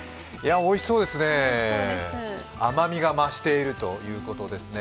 おいしそうですね、甘みが増しているということですね。